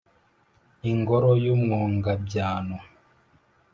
ingoro y’ umwogabyano.